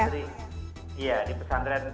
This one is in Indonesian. di jawa barat